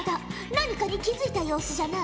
何かに気付いた様子じゃな。